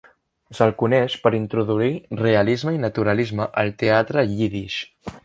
S'el coneix per introduir realisme i naturalisme al teatre Yiddish.